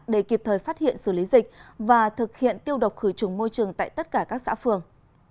để kịp thời phát hiện xử lý dịch và thực hiện tiêu độc khử trùng môi trường tại tất cả các xã phường